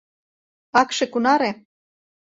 — Акше кунаре?